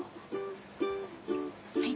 はい。